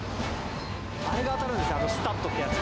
あれが当たるんですよ、スタッドというやつ。